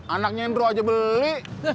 anaknya indro aja beli